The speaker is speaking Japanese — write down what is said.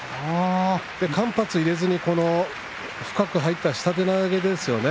間髪入れずに深く入った下手投げですよね。